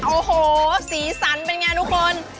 โอ้โหสีสันเป็นไงทุกคน